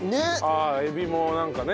あっエビもなんかね。